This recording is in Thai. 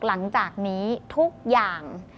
หลังจากนี้ทุกอย่าง